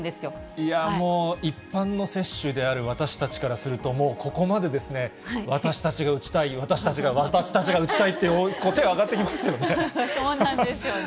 いやー、もう、一般の接種である私たちからすると、もうここまで、私たちが打ちたい、私たちが、私たちが打ちたいって、手、挙がってきますよね。